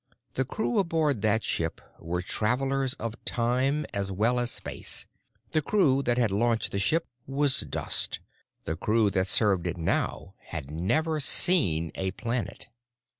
The crew aboard that ship were travelers of time as well as space. The crew that had launched the ship was dust. The crew that served it now had never seen a planet.